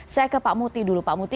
saya ke pak muti dulu pak muti